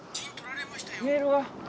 メールが。